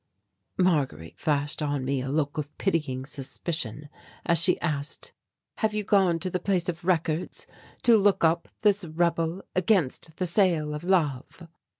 Marguerite flashed on me a look of pitying suspicion as she asked: "Have you gone to the Place of Records to look up this rebel against the sale of love?"